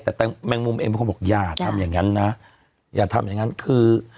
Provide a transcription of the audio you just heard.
แต่แมงมุมเองเป็นคนบอกอย่าทำอย่างนั้นนะอย่าทำอย่างนั้นคือ